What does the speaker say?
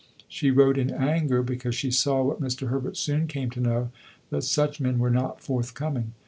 She wrote in anger, because she saw, what Mr. Herbert soon came to know, that such men were not forthcoming.